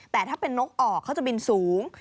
แต่ถ้าเป็นนกออกเขาจะบินสูง